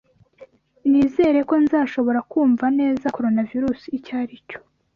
Nizere ko nzashobora kumva neza Coronavirusi icyo ari cyo